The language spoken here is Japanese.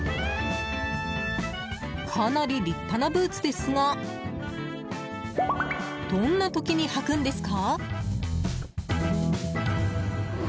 かなり立派なブーツですがどんな時に履くんですか？